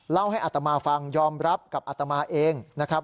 เล่าให้อัตมาฟังยอมรับกับอัตมาเองนะครับ